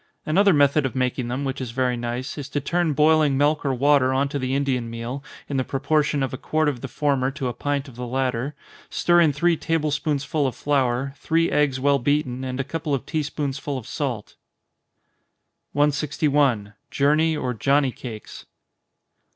Another method of making them, which is very nice, is to turn boiling milk or water on to the Indian meal, in the proportion of a quart of the former to a pint of the latter stir in three table spoonsful of flour, three eggs well beaten, and a couple of tea spoonsful of salt. 161. _Journey or Johnny Cakes.